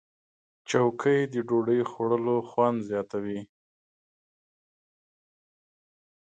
چوکۍ د ډوډۍ خوړلو خوند زیاتوي.